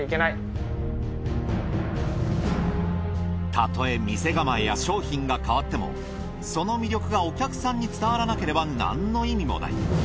たとえ店構えや商品が変わってもその魅力がお客さんに伝わらなければなんの意味もない。